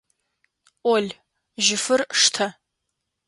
Ол, жьыфыр штэ!